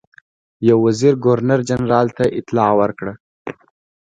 یو وزیر ګورنر جنرال ته اطلاع ورکړه.